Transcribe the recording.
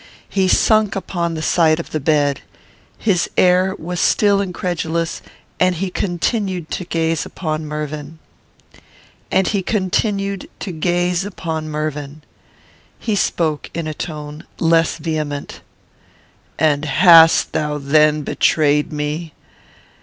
He sunk upon the side of the bed. His air was still incredulous, and he continued to gaze upon Mervyn. He spoke in a tone less vehement: "And hast thou then betrayed me?